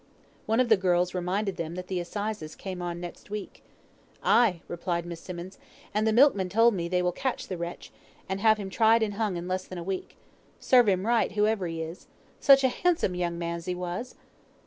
One of the girls reminded them that the assizes came on next week. "Ay," replied Miss Simmonds, "and the milk man told me they will catch the wretch, and have him tried and hung in less than a week. Serve him right, whoever he is. Such a handsome young man as he was."